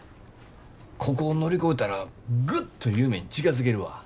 ここを乗り越えたらグッと夢に近づけるわ。